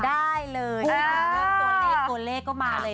ได้เลยพูดถึงเรื่องตัวเลขตัวเลขก็มาเลย